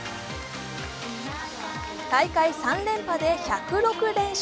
大会３連覇で１０６連勝。